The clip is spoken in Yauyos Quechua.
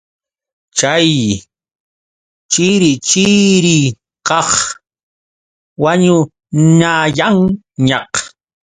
Chay chirichirikaq wañunayanñaq.